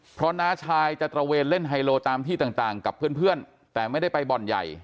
เพราะน้าชายจะตระเวนเล่นไฮโลตามที่ต่างกับเพื่อนแต่ไม่ได้ไปบ่อนใหญ่